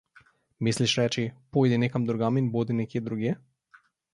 Misliš reči, pojdi nekam drugam in bodi nekje drugje?